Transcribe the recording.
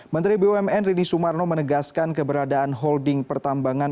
menteri bumn rini sumarno menegaskan keberadaan holding pertambangan